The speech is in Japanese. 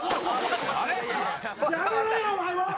やめろよお前もう！